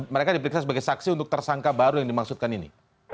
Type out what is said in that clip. mereka diperiksa sebagai saksi untuk tersangka baru yang dimaksudkan ini